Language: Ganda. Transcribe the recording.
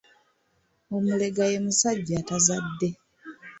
Omulega ye musajja atazadde